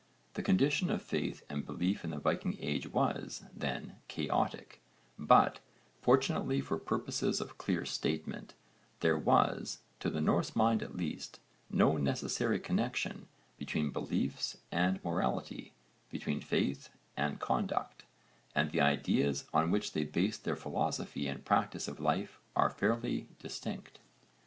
The condition of faith and belief in the Viking age was, then, chaotic, but, fortunately for purposes of clear statement, there was, to the Norse mind at least, no necessary connexion between beliefs and morality, between faith and conduct, and the ideas on which they based their philosophy and practice of life are fairly distinct.